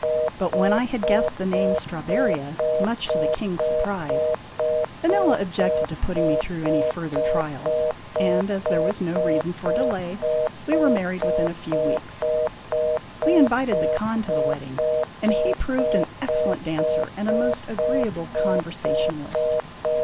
But when I had guessed the name " Strawberria," much to the King's surprise, Vanella objected to putting me through any further trials, and as there was no reason for delay we were married within a few weeks. We invited the Khan to the wedding, and he proved an ex cellent dancer and a most agreeable conversationalist.